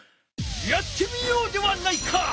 やってみようではないか！